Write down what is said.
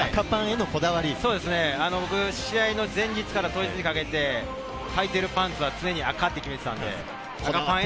僕、試合の前日から当日にかけて履いてるパンツは常に赤って決めてたので。